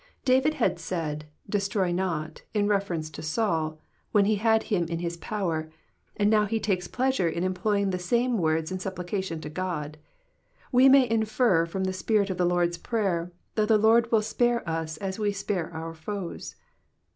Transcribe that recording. David had said, destroy not,'* in reference to tknd, tchen he had him in his power, and novo he takes pUasure in emptoying the same voords in supplication to God, We may infer from the spirit of the Lnrds prayer, that the Lord tciU spare us as we spare our foes.